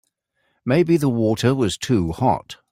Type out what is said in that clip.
Maybe the water was too hot.